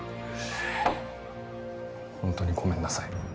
本当にごめんなさい。